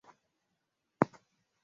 Usingizi umeniishia